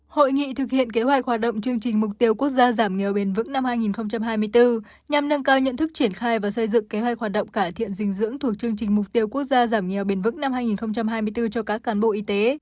hội nghị thực hiện kế hoạch hoạt động chương trình mục tiêu quốc gia giảm nghèo bền vững năm hai nghìn hai mươi bốn nhằm nâng cao nhận thức triển khai và xây dựng kế hoạch hoạt động cải thiện dinh dưỡng thuộc chương trình mục tiêu quốc gia giảm nghèo bền vững năm hai nghìn hai mươi bốn cho các cán bộ y tế